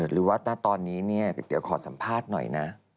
หรือว่าตอนนี้เนี่ยเดี๋ยวขอสัมภาษณ์หน่อยนะ